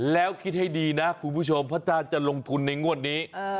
แล้วคิดให้ดีนะคุณผู้ชมเพราะถ้าจะลงทุนในงวดนี้